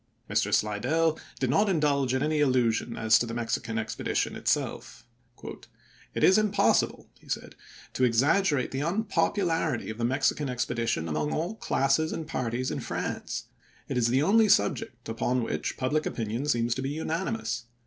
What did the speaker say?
Mr. Slidell did not indulge in any illusion as to the Mexican expedition itself. " It is impossible," he said, "to exaggerate the unpopularity of the Mexican expedition among all classes and parties in France; it is the only subject upon which public opinion seems to be unanimous.